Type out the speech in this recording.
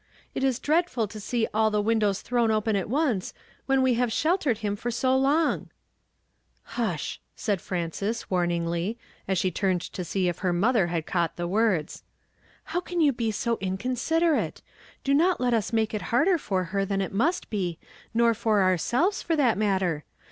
It is dreadful to sjee all the windows thrown open at once, when we have sheltered Jiini for so long !"" Hush !" said Frances warningly, as she turned to see if her mother had caught the words. "How can you he so inconsiderate ! Do not let us make it harder for her than it must be, nor for ourselves, for that matter.